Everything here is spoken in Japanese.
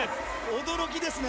驚きですね。